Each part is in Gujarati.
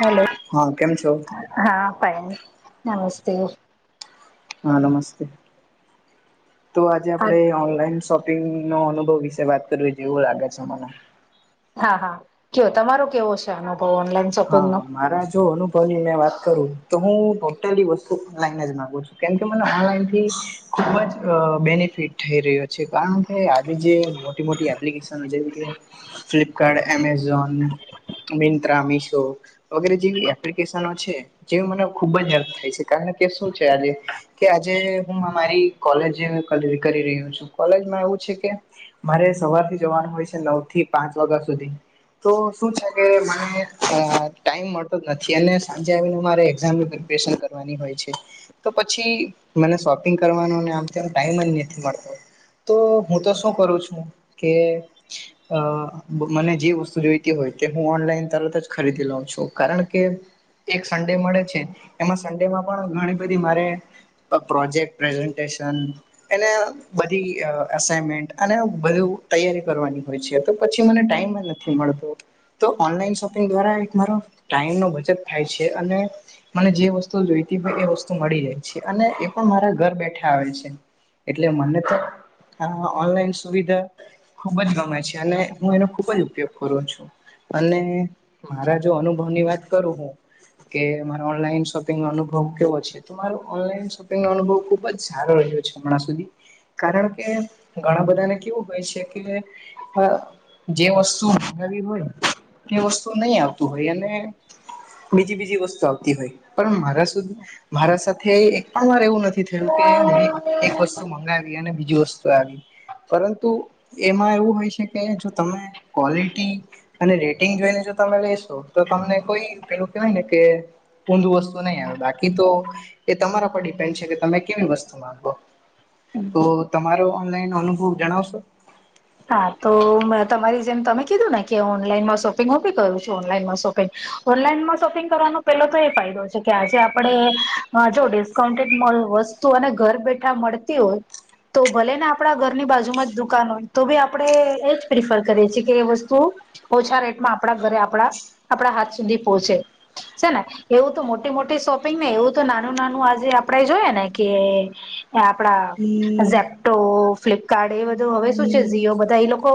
હેલો હા, કેમ છો? હા, ફાઇન નમસ્તે! હા, નમસ્તે! તો આજે હા આપડે ઓનલાઈન શોપ નો અનુભવ વિશે વાત કરવીતી એવું લાગે છે મને. હા- હા કયો, તમારો કેવો છે અનુભવ ઓનલાઈન. શોપિંગનો હા, મારા જો અનુ ભવ ની વાત કરું તો હું ટોટલી વસ્તુ ઓનલાઈન જ માગું છું, કેમકે મને આરામ થી ખૂબ જ અ બેનિફિટ થઈ રહ્યો છે કારણ કે આજે જે મોટી- મોટી એપ્લિકેશન જેવી કે ફ્લિપકાર્ટ, એમેઝોન, મીંત્રા, મિશ તો વગેરે જેવી એપ્લિકેશનો છે. જે મને ખુબ જ હેલ્પ થાય છે કારણ કે શું છે આજે કે આજે હું અમારી કોલેજ કરી-કરી રહ્યો છું કોલેજમાં એવું છે કે મારે સવારથી જવાનું હોય છે નવ થી પાંચ વાગા સુધી તો શું છે કે મને અ ટાઈમ મળતો જ નથી અને સાંજે આવીને મારે એક્ઝામની પ્રિપેરેશન કરવાની હોય છે. તો પછી મને શોપિંગ કરવાનોને આમ તેમ ટાયમ જ નથી મળતો. તો હું તો શું કરું છું કે અ મને જે વસ્તુ જોઈતી હોય તે હું ઓનલાઈન તરત જ ખરીદી લઉ છું કારણ કે એક સન્ડે મળે છે એમાં સન્ડેમાં પણ ઘણી બધી મારે પ્રોજેક્ટ પ્રેઝન્ટેશન અને બધી અ એસાઈમેન્ટ અને બધું તૈયારી કરવાની હોય છે તો પછી મને ટાઈમ ન થી મળતો તો ઓનલાઈન શોપિંગ દ્વારા એક મારો ટાઈમ નો બચત થાય છે અને મને જે વસ્તુ જોઈતી હોય એ વસ્તુ મળી રહે છે અને એ પણ મારા ઘર બેઠે આવે છે એટલે મને તો આ ઓનલાઈન સુવિધા ખુબ જ ગમે છે અને હું એનો ખુબ જ ઉપયોગ કરું છું અને મારા જો અનુભવની વાત કરું હું કે મારા ઓનલાઈન શોપિંગનો અનુભવ કેવો છે? તો મારો ઓનલાઈન શોપિંગ નો અનુભવ ખુબ જ સારો રહ્યો હમણા સુધી કારણ કે ઘણા બધા ને કેવું હોય છે કે જે વસ્તુ મગાવી હોય તે વસ્ તુ નહી આવતું હોય અને બીજી બીજી વસ્તુ આવતી હોય પણ મારા સુધી મારા સાથે એક પણ વાર એવું નથી થયું કે મેં એક વસ્તુ મંગાવી ને બીજી વસ્તુ આવી પરંતુ એમાં એવું હોય છે કે જો તમે ક્વોલિટી અને રેટિંગ જોઈને જો તમે લેેશો તો તમને કોઈ પેલું કેવાય ને કે ઊંધું વસ્તુ નહી આવે બાકી તો એ તમારા પર ડિપેન્ડ છે કે તમે કેવી વસ્તુ માંગો. તો તમારો ઓનલાઈન અનુભવ જણાવશો? હા તો મેં તમારી જેમ તમે કીધું ને કે ઓનલાઈનમાં શોપિંગ હું બી કરું છું ઓનલાઈનમાં શોપિંગ. ઓનલાઈનમાં શોપિંગ કરવાનો પેલો તો એ ફાયદો છે કે આજે આપણે જો ડિસ્કાઉન્ટેડ મા વસ્ તુ અને ઘર બેઠા મળતી હોય તો ભલે ને આપણા ઘરની બાજુમાં જ દુકાન હોય તો ભી આપણે એજ પ્રિફર કરીએ છીએ કે એ વસ્તુ ઓછા રેટમાં આપણા ઘરે આપણા આપણા હાથ સુધી પોહોંચે છે ને એવું તો મોટી મોટી શોપિંગ ને એવું તો નાનું નાનું આજે આપડે જોઈયએ ને કે કે આપડા ઝેપ્ટો, ફ્લિપકાર્ટ એ બધું હવે શું છે જિયો બધા એ લોકો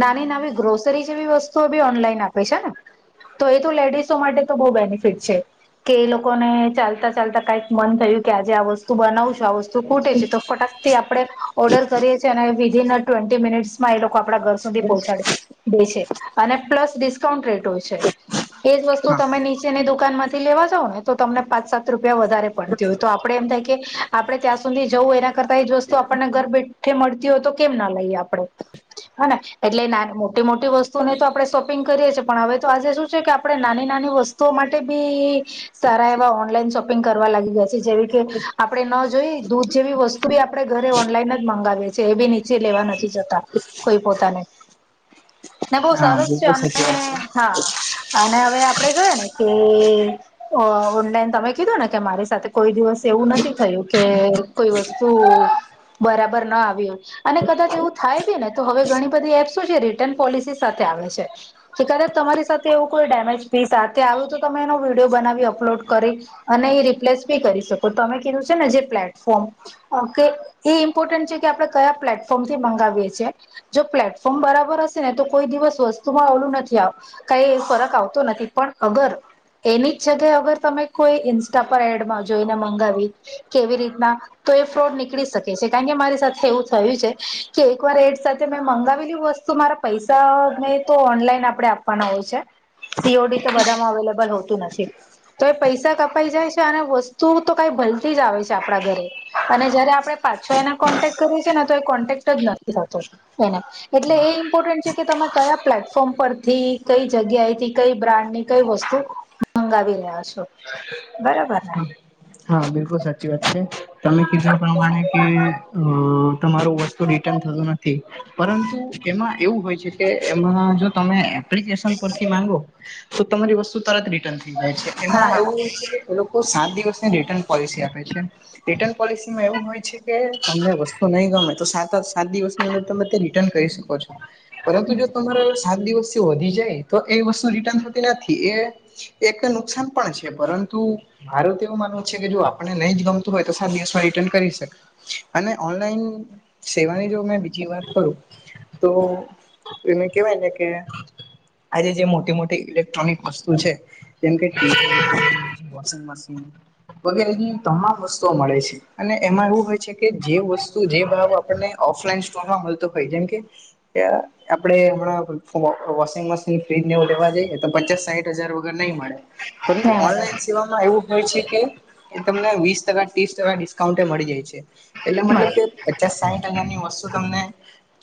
નાની નાની ગ્રોસરી જેવી વસ્તુઓ બી ઓનલાઈન આપે છે ને તો એ તો લેડીશો માટે તો બહુ બેનિફિટ છે કે એ લોકોને ચાલતા ચાલતા કઈક મન થયું કે આજે આ વસ્તુ બનાવવું આ વસ્તુ ખૂટે છે તો ફટાકથી આપણે ઓર્ડર કરીએ છીએ અને વિધન અ ટ્વેન્ટી મિનિટ્સ માં એ લોકો આપણા ઘર સુધી પહોંચાડી દે છે અને પ્લસ ડિસ્ કાઉન્ટ રેટ હોય છે એજ વસ્તુ હા તમે ની ચેની દુકાનમાંથી લેવા જાવ ને તો તમને પાંચ સાત રૂપિયા વધારે પડતી હોય તો આપણે એમ થાય કે આપડણે ત્યાં સુધી જવું એના કરતા એ જ વસ્તુ આપણને ઘર બેઠે મળતી હોય તો કેમ ના લઈએ આપણે. હ ને એટલે ના મોટી મોટી વસ્તુને તો આપણે શોપિંગ કરીએ છીએ પણ હવે તો આજે શું છે કે આ પણે નાની નાની વસ્તુઓ માટે બી સારા એવા ઓનલાઈન શોપિંગ કરવા લાગી ગયા છે જેવી કે આપણે ન જોઈ દૂધ જેવી વસ્ તુ બી આપણે ઘરે ઓનલાઈન જ મગાવીએ એ બી નીચે લેવા ન થી જતા કોઈ પોતાને ને બહું હા સરસ છે બિલકુલ અને સાચી વાત હા અને હવે આપડે જોઈય ને કે અ ઓનલાઇન તમે કીધું ને કે મારી સાથે કોઈ દિવસ એવું નથી થયું કે કોઇ વસ્તુ બરાબર ન આવી હોય અને કદાચ એવું થાય બી ને તો હવે ઘણી બધી એપ શું છે રિટર્ન પોલિસી સાથે આવે છે. કે તરત તમારી સાથે એવું કોઈ ડેમેજ પીસ સાથે આવ્યું તો તમે એનો વિડિયો બનાવી અપલોડ કરી અને એ રિપ્લેસ બી કરી શકો તમે કીધું છે ને જે પ્લેટફોર્મ ઓકે એ ઇમ્પોર્ટન્ટ છે કે આપણે કયા પ્લેટફોર્મથી મંગાવી એ છીયે જો પ્લેટફોર્મ બરાબર હશે ને તો કોઈ દિવસ વસ્તુમાં ઓલું નથી આવતુ કઈ ફરક આવતો નથી પણ અગર એની જ જગ્યાએ અગર તમે કોઈ ઇન્સ્ટા પર એડમા જોઈને મંગાવી કેવી રીતના તો એ ફ્રોડ નીકળી શકે છે કારણ કે મારી સાથે એવું થયું છે. કે એક વાર એડ સાથે મેં મંગાવેલી વસ્તુ મારા પૈસા મેં તો ઓનલાઈન આપડે આપવાના હોય છે. સીઓડીતો બધામાં અવેલેબલ હોતું નથી. તો એ પૈસા કપાઈ જાય છે અને વસ્તુ તો કઈ ભલતી જ આવે છે આપણા ઘરે. અને જયારે આપણે પાછો એના કોન્ટેક કરીએ છીએ ને તો એ કોન્ટેક્ટ જ નથી થતો એને એટલે એ ઇમ્પોર્ટન્ટ છે કે તમે કયા પ્લેટફોર્મ પરથી કઈ જગ્યાએથી કઈ બ્રાન્ડ ની કઈ વસ્તુ મંગાવી રહ્યા છો બરોબર ને. છે હા બિલકુલ સાચી વાત છે તમે કીધું એ પ્રમાણે કે અહ તમારું વસ્તુ રિટર્ન થયું નથી પરંતુ એમાં એવું હોય છે કે એમાં જો તમે એપ્લિકેશન પરથી માંગો તો તમારી વસ્તુ તરત રિટર્ન જાય છે હા એમાં એવું હા હોય છે કે એ લોકો સાત દિવસની રિટર્ન પોલિસી આપે છે. રિટર્ન પોલિસી માં એવું હોય છે કે તમને વસ્તુ નહી ગમે તો સાત સાત દિવસની અંદર તમે તે રિટર્ન કરી શકો પરંતુ જો તમારા સાત દિવસ થી વધી જાય તો એ વસ્તુ રિટન થતી નથી એ એક નુકસાન પણ છે પરંતુ મારું તો એવું માનવું છે કે જો આપણે નહી જ ગમતું હોય તો સાત દિવસમાં રિટર્ન કરી શકે. અને ઓનલાઈન સેવાની જો મે બીજી વાત કરું તો એમે કહેવાયને કે આજે જે મોટી મોટી ઈલેક્ ટ્રોનિક વસ્તુ છે જેમકે ટીવી વોશિંગ મશીન વગેરે ની તમામ વસ્તુઓ મળે છે અને એમાં એવું હોય છે કે જે વસ્તુ જે ભાવ આપણને ઓફલાઈન સ્ટોરમાં મલતો હોય જેમકે જે આપડે હમણાં વોશિંગ મશીન ફ્રીજ ને એવું લેવા જઈએ તો પચાસ સાઈઠ હજાર વગર નહીં મળે. પરંતુ ના ઓનલાઈન સેવામાં એવું હોય છે કે એ તમને વીસ ટકા ત્રીસ ટકા ડિસ્કાઉન્ટ એ મળી જાય છે એટલે મતલબ બરાબર કે પચાસ સાહીઠ હજાર ની વસ્તુ તમને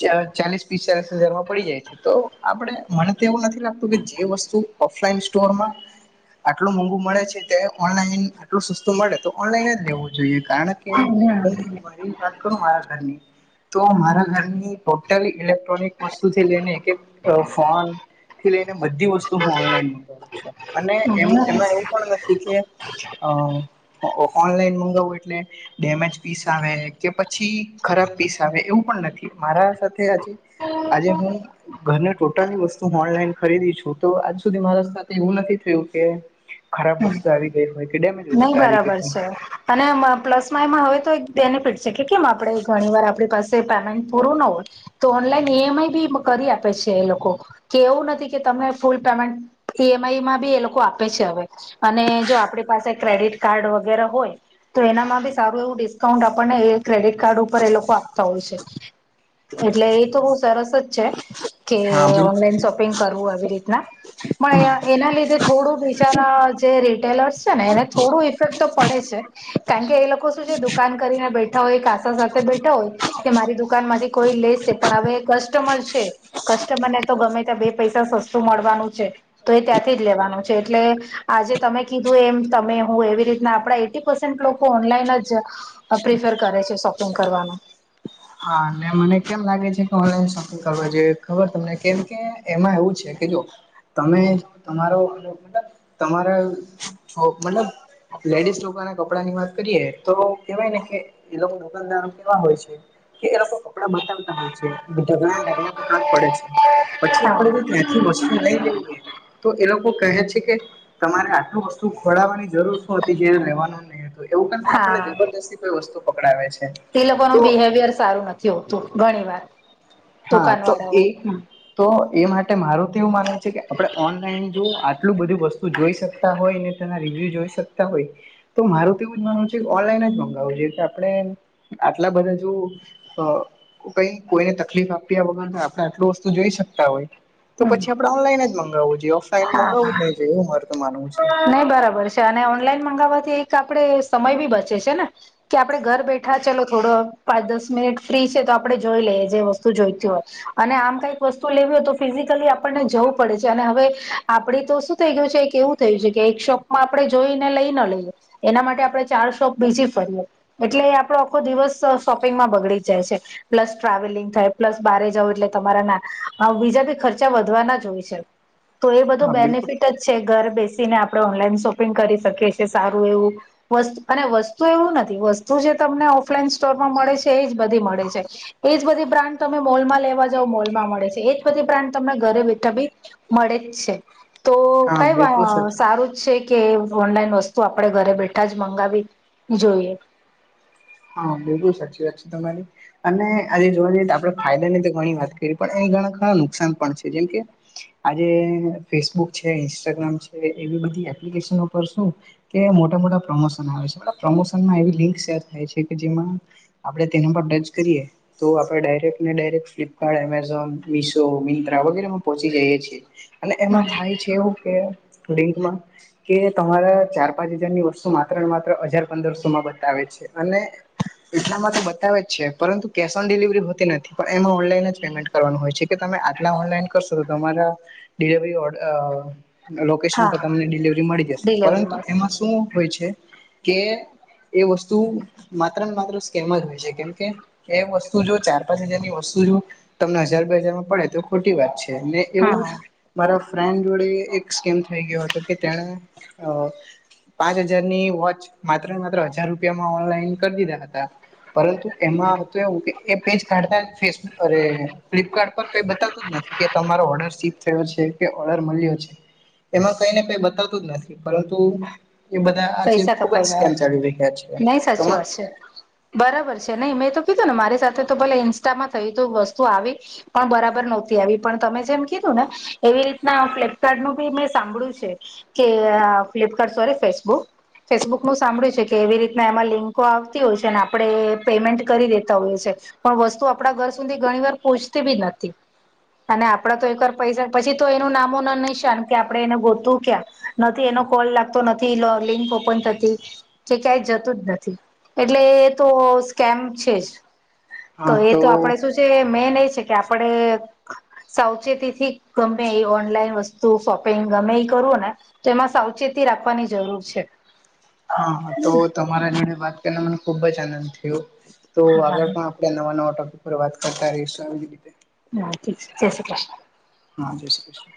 ચા ચાલીસ પિસ્તાાલીસ હજાર માં પડી જાય છે. તો આપણે મને તો એવું નથી લાગતું કે જે વસ્તુ ઓફલાઈન સ્ટોરમાં આટલું મોંઘુ મળે છે તે ઓનલાઈન આટલું સસ્તું મળે તો ઓનલાઈન જ લેવું જોઈએ. કારણ કે હું હમ મારી જ વાત કરું મારા ઘરની તો મારા ઘરની ટોટલી ઇલેક્ટ્રોનિક વસ્તુ થી લઈને એક-એક અહ ફોન થી લઈને બધી વસ્તુ હું ઓનલાઈન મગાવું છું અને એમ હમ એમાં એવું પણ નથી કે અહ ઓનલાઈન મંગાવું એટલે ડેમેજ પીસ આવે કે પછી ખરાબ પીસ આવે એવું પણ નથી મારા સાથે આજે આજે હું ઘરને ટોટલી વસ્તુ ઓનલાઈન ખરીદી છું તો આજ સુધી મારા સાથે એવું નથી થયું કે ખરાબ હમ. વસ્તુ આવી ગઈ હોય. કે ડેમેજ નહી વસ્તુ આવી બરાબર ગઈ હોય. છે. અને પ્લસમાં એમાં હવે તો એક બેનિફિટ છે કે કેમ આપણે ઘણી વાર આપણી પાસે પેમેન્ટ પૂરું નો હોય તો ઓનલાઈન ઈ એમ આઈ બી કરી આપે છે એ લોકો કે એવું નથી કે તમે ફૂલ પેમેન્ટ ઈ એમ આઈમાં બી એ લોકો આપે છે અવે. અને જો આપણી પાસે ક્રેડિટ કાર્ડ વગેરે હોય તો એનામાં બી સારું એવું ડિસ્કાઉન્ટ આપણને એ ક્રેડિટ કાર્ડ ઉપર એ લોકો આપતા હોય છે. એટલે એ તો બહુ સરસ જ છે. કે હા ઓનલાઈન બિલકુલ શોપિંગ કરવું આવી રીતના હા પણ એના લીધે થોડુંક વિચાર હા જે રિટેલર્સ છે ને એને થોડું ઇફેક્ટ તો પડે છે. કારણ કે એ લોકો શું છે દુકાન કરીને બેઠા હોય [unintelligible] સાથે બેઠા હોય. કે મારી દુકાનમાંથી કોઈ લેશે, પણ હમે કસ્ટમર છે. કસ્ટમર ને તો ગમે ત્યાં બે પૈસા સસ્તું મળવાનું છે, તો એ ત્યાંથી જ લેવાનો છે. એટલે આજે તમે કીધું એમ તમે હું એવી રીતના આપણા એટી પસેન્ટ લોકો ઓનલાઈન જ પ્રિફર કરે છે શોપિંગ કરવાનું. હા ને મને કેમ લાગે છે કે ઓનલાઈન શોપિંગ કરવા જોઈએ ખબર તમને કેમ કે એમાં એવું છે કે જો તમે અમારો, તમારા છો મતલબ લેડીઝ લોકોના કપડા ની વાત કરીએ તો કેવાય ને કે એ લોકો દુકાનદારો કેવા હોય છે. એ લોકો કપડા બતાવતા હોય છે, ઢગલા ઢગલા કપડાં પડે છે. પછી આપણે જો હા ત્યાંથી વસ્તુ નહી લઈએ. તો એ લોકો કહે છે કે તમારે આટલું વસ્તુ ખોળવાની જરૂર શું હતી. જે લેવાનો નહી હતા. તો એવું કરી ને આપણને જબરજસ્તી કોઈ વસ્તુ પકડાવે છે. એ લોકોનું તો બિહેવિયર સારું નથી હોતું ઘણી વાર. હા દુકાન તો એ વાળાઓ હમ તો એ માટે મારું તો એવું માનવું છે કે આપણે ઓનલાઈન જો આટલું બધું વસ્તુ જોઈ શકતા હોય ને તેના રિવ્યુ જોઈ શકતા હોય તો મારું તો એવું જ માનવું છે ઓનલાઈન જ મગાવું જે કે આપણે આટલા બધા જો કઈ કોઈને તકલીફ આપ્યા વગર આપણે આટલું વસ્તુ જોઈ શકતા હોય તો હમ પછી આપણે ઓનલાઈન જ મંગાવવું જોઈએ. ઓફલાઈન હા હા મગાવું જ નહી જોઈએ એવું મારુ તો માનવું છે. નહી બરાબર છે અને ઓનલાઈન મગાવવાથી એક આપણે સમય પણ બચે છે ને. કે આપણે ઘર બેઠા ચલો થોડો પાંચ દસ મિનિટ ફ્રી છે તો આપણે જોઈ લઈએ જે વસ્તુ જોઈતી હોય. અને આમ કઈક વસ્તુ લેવી હોય તો ફિઝિકલી આપણને જવું પડે છે અને હવે આપણી તો શું થઈ ગયું છે એક એવું થયું છે કે એક શોપમાં આપણેે જોઈને લઈ ન લઈએ એના માટે આપણે ચાર શોપ બીજી ફરીએ એટલે આપણો આખો દિવસ શોપિંગમાં બગડી જાય છે. પ્લસ ટ્રાવેલિંગ થાય, પ્લસ બહારે જવું એટલે તમારા ના બીજા પણ ખર્ચા વધવાના જ હોય છે. તો એ બધું હા બિલકુલ બેનિફિટ જ છે ઘર બે બેસીને આપણે ઓનલાઈન શોપિંગ કરી શકીએ છીએ સારું એવું વસ્તુ અને વસ્તુ એવું નથી વસ્તુ જે તમને ઓફલાઈન સ્ટોરમાં મળે છે એ જ બધી મળે છે. એજ બધી બ્રાન્ડ તમે મોલમાં લેવા જાવ મોલમાં મળે છે. એજ બધી બ્રાન્ડ તમને ઘરે બેઠા પણ મળે જ છે તો હા કઈ બિલકુલ સાચું સારું જ છે કે ઓનલાઈન વસ્તુ આપણેે ઘરે બેઠા જ મંગાવી જોઈએ. હા, બિલકુલ સાચી વાત છે તમારી. અને આજે જોવા જઈએ તો આપણે ફાયદા ની તો ઘણી વાત કરીએ પણ ઘણા ખરા નુકસાન પણ છે. જેમ કે આજે ફેસબુક છે, ઇન્સ્ટાગ્રામ છે એવી બધી એપ્લિકેશનો પર શું કે મોટા મોટા પ્રમોશન આવે છે પણ પ્રમોશનમાં એવી લિંક શેર થાય છે કે જેમાં આપણે તેના પર ટચ કરીએ. તો આપણે ડાયરેક્ટને direct Flipkart, Amazon, Meesho, Myntra વગેરેમાં પહોંચી જઈએ છે. અને એમાં થાય છે, એવું કે રીલમાં કે તમારા ચાર પાંચ હજાર ની વસ્તુ માત્ર ને માત્ર હજાર પંદરસો માં બતાવે છે. અને એટલામાં તો બતાવે જ છે પરંતુ કેશ ઓન ડિલિવરી હોતી નથી. પણ એમાં ઓનલાઈન જ પેમેન્ટ કરવાનું હોય છે કે તમે આટલા ઓનલાઈન કરશો તો તમારા ડિલિવરી ઓડર લોકેશન પર હા તમને ડિલિવરી મળી જશે ડિલવરી પરંતુ મળશે એમાં શું હોય છે. કે એ વસ્તુ માત્ર ને માત્ર સ્કેમ જ હોય છે કેમ કે એ વસ્તુ જો ચાર પાંચ હજારની વસ્તુ જો તમને હજાર, બે હજારમાં પડે તો ખોટી વાત છે ને એવું જ હા મારા ફ્રેન્ડ જોડે એક શકેમ થઈ ગયો હતો કે તેને અ પાંચ હજારની વોચ માત્ર ને માત્ર હજાર રૂપિયામાં ઓનલાઈન કરી દીધા હતા. પરંતુ એમાં તો એવું કે એ પેજ કાઢતા ફેસબુ અરે ફ્લિપકાર્ટ પર કઈ બતાતું જ નથી કે તમારો ઓર્ડર સીપ છે કે ઓફર મળ્યો છે એમાં કઈને કઈ બતાવતું જ નથી પરંતુ એ બધા આજ પૈસા ખુબ જ કપાઈ સ્કેમ ગયા ચાલી રહ્યા છે નહી તો સાચી વાત છે. બરાબર છે નહી મેં તો કીધું ને મારી સાથે તો ભલે ઇન્સ્ટામાં થય તો વસ્તુ આવી પણ બરાબર નહોતી આવી પણ તમે જેમ કીધું ને એવી રીતના ફ્લિપકાર્ટનું બી મેં સાંભળ્યું છે કે ફ્લિપકાર્ટ સ્રે ફેસબુક ફેસબુકનું સાંભળ્યું છે કે એવી રીતના એમાં લિંકો આવતી હોય છે આપણે એ પેમેન્ટ કરી દેતા હોઈએ છ છેએ, પણ વસ્તુ આપણા ઘર સુધી ઘણી વાર પૂછતી બી નથી અને આપડે તો એક વાર પૈસા પછી તો એનું નામો ન નહી શાન કે આપડે એને ગોતું ક્યા નથી એનો કોલ લાગતો નથી લોલિંગ ઓપન થતી કે ક્યાંય જતું જ નથી એટલે એ તો સ્કેમ છે જ તો એ તો આપડે શું છે મેન એ છે કે આપણે સાવચેતી થી ગમે એ ઓનલાઈન વસ્તુ શોપિંગ ગમે એ કરવું ને તેમાં સાવચેતી રાખવાની જરૂર છે. હા તો તમારા જોડે વાત કરીને મને ખુબ જ આનંદ થયો તો આગળ હા પણ નવા નવા ટોપિક પર વાત કરતા રહીશુ. [unintelligible] હા જય શ્રી કૃષ્ણ, હા જય શ્રી કૃષ્ણ,